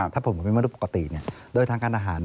ถ้าผมก็เป็นมนุษย์ปกติโดยทางการอาหาร